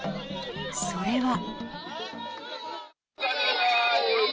それは。